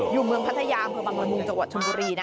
อยู่เมืองพัทยาเพื่อมาบรมมุมจังหวัดชนบุรีนะ